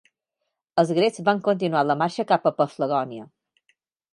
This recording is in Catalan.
Els grecs van continuar la marxa cap a Paflagònia.